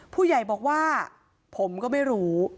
ผู้ใหญ่บอกว่าผมก็ไม่รู้